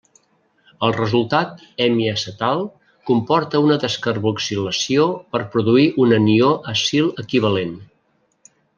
El resultat hemiacetal comporta una descarboxilació per produir un anió acil equivalent.